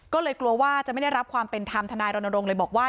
ก็เลยกลัวว่าจะไม่ได้รับความเป็นธรรมทนายรณรงค์เลยบอกว่า